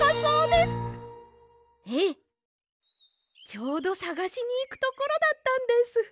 ちょうどさがしにいくところだったんです！